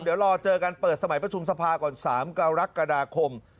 เดี๋ยวรอเจอกันเปิดสมัยประชุมสภาก่อน๓กรกฎาคม